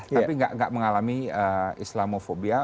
tapi gak mengalami islamofobia